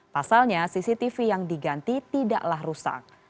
pasalnya cctv yang diganti tidaklah rusak